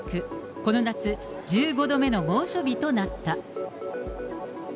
この夏、１５度目の猛暑日となった。